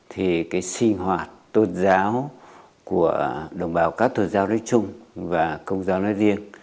thì cái sinh hoạt tôn giáo của đồng bào các tôn giáo nói chung và công giáo nói riêng